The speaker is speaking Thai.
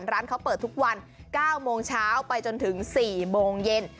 ร้านเขาเปิดทุกวัน๙โมงเช้าไปจนถึง๔โมงเย็น